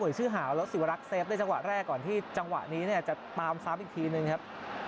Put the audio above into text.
ชื่อหาวรถสิวรักษ์เซฟในจังหวะแรกก่อนที่จังหวะนี้เนี่ยจะตามซ้ำอีกทีนึงครับ